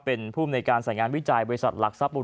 เป็นภูมิในการสายงานวิจัยบริษัทหลักทรัพบุญ